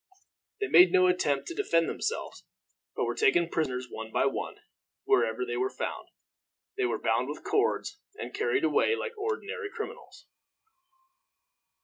They made no attempt to defend themselves, but were taken prisoners one by one, wherever they were found. They were bound with cords, and carried away like ordinary criminals.